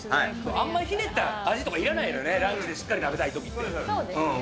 あんまりひねった味とかいらないよ、ランチでしっかり食べたそうですね。